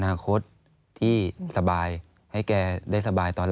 อันดับ๖๓๕จัดใช้วิจิตร